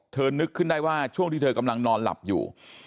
นึกขึ้นได้ว่าช่วงที่เธอกำลังนอนหลับอยู่